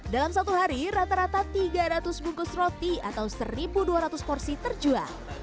dalam satu hari rata rata tiga ratus bungkus roti atau satu dua ratus porsi terjual